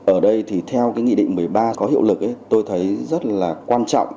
ở đây thì theo cái nghị định một mươi ba có hiệu lực tôi thấy rất là quan trọng